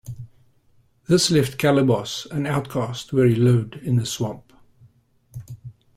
This left Calibos an outcast where he lived in the swamp.